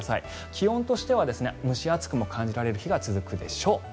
気温としては蒸し暑くも感じられる日が続くでしょう。